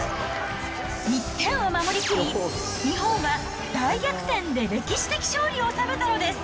１点を守りきり、日本は大逆転で歴史的勝利を収めたのです。